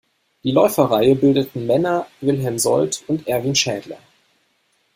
Die Läuferreihe bildeten Männer, Wilhelm Sold und Erwin Schädler.